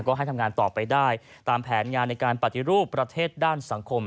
ก็ให้ทำงานต่อไปได้ตามแผนงานในการปฏิรูปประเทศด้านสังคม